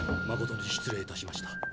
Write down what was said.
まことに失礼いたしました。